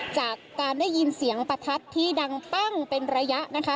จากการได้ยินเสียงประทัดที่ดังปั้งเป็นระยะนะคะ